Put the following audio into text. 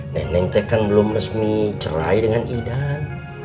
neneng teh kan belum resmi cerai dengan idam